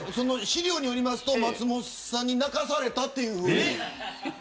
資料によりますと松本さんに泣かされたと。